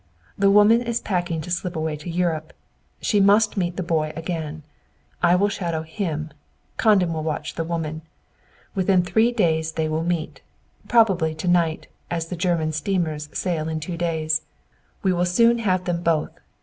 The woman is packing to slip away to Europe; she must meet the boy again! I will shadow him; Condon will watch the woman. Within three days they will meet, probably to night, as the German steamers sail in two days. We will soon have them both!